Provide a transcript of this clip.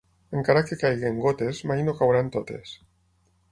Encara que caiguin gotes, mai no cauran totes.